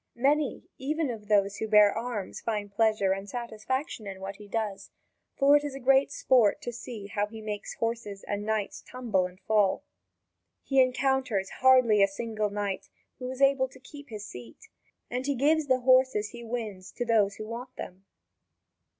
Many even of those who bear arms find pleasure and satisfaction in what he does, for it is great sport to see how he makes horses and knights tumble and fall. He encounters hardly a single knight who is able to keep his seat, and he gives the horses he wins to those who want them.